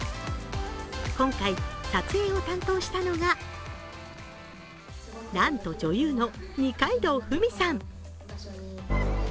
今回、撮影を担当したのがなんと、女優の二階堂ふみさん。